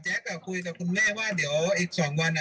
คุยกับคุณแม่ว่าเดี๋ยวอีก๒วัน